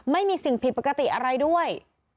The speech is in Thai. ไม่มีสิ่งผิดปกติอะไรด้วย